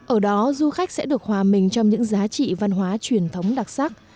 ở đó du khách sẽ được hòa mình trong những giá trị văn hóa truyền thống đặc sắc